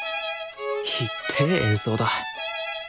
ひっでえ演奏だ。